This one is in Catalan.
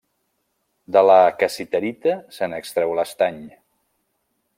De la cassiterita se n'extreu l'estany.